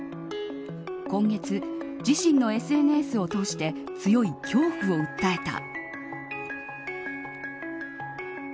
今月、自身のＳＮＳを通して強い恐怖を訴えた。